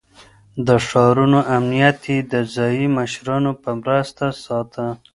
د ښارونو امنيت يې د ځايي مشرانو په مرسته ساته.